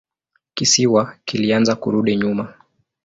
Kisiwa kilianza kurudi nyuma.